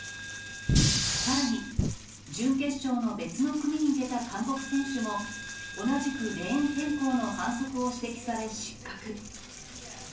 さらに、準決勝の別の組に出た韓国選手も、同じクレーン変更の反則を指摘され失格。